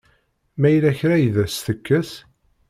Ma yella kra i d as-tekkes?